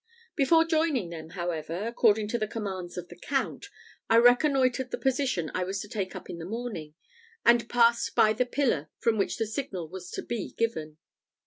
Before joining them, however, according to the commands of the Count, I reconnoitred the position I was to take up the next morning, and passed by the pillar from which the signal was to be given.